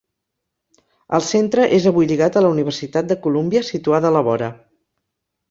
El centre és avui lligat a la Universitat de Colúmbia situada a la vora.